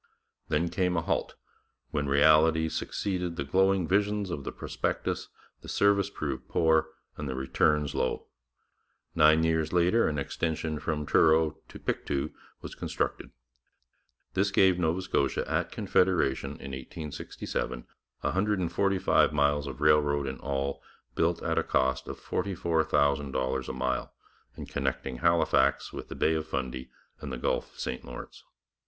Then came a halt, when reality succeeded the glowing visions of the prospectus, the service proved poor, and the returns low. Nine years later an extension from Truro to Pictou was constructed. This gave Nova Scotia at Confederation in 1867 145 miles of railroad in all, built at a cost of $44,000 a mile, and connecting Halifax with the Bay of Fundy and the Gulf of St Lawrence.